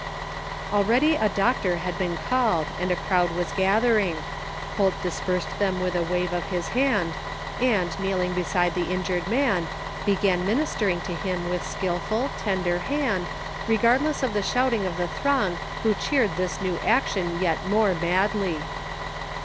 Already a doctor had been called and a crowd was gathering. Holt dispersed them with a wave of his hand, and kneeling beside the injured man, began min istering to him with skilful, tender hand, regardless of the shouting of the throng who cheered this new action yet more madly.